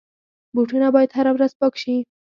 بوټونه باید هره ورځ پاک شي.